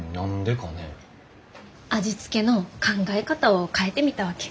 味付けの考え方を変えてみたわけ。